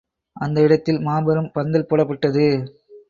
அந்த இடத்தில் மாபெரும் பந்தல் போடப்பட்டது.